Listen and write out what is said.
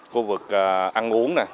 khu vực ăn uống